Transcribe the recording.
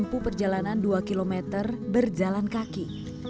mampu perjalanan dua km berjalan kaki